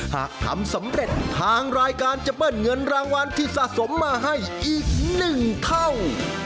หากทำสำเร็จทางรายการจะเบิ้ลเงินรางวัลที่สะสมมาให้อีก๑เท่า